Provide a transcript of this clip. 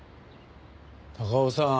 高尾さん。